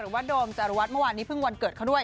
หรือว่าโดมจรวจเมื่อวานนี้เพิ่งวันเกิดเขาด้วย